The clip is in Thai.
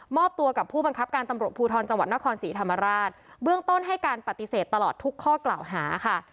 ตัวกับผู้บังคับการตำรวจภูทรจังหวัดนครศรีธรรมราชเบื้องต้นให้การปฏิเสธตลอดทุกข้อกล่าวหาค่ะ